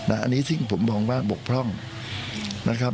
อันนี้ซึ่งผมมองว่าบกพร่องนะครับ